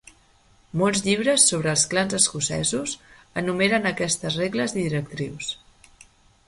Molts llibres sobre els clans escocesos enumeren aquestes regles i directrius.